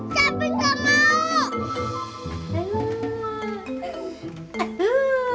cepi gak mau